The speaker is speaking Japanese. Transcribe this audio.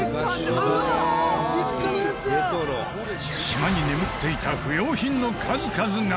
島に眠っていた不要品の数々が。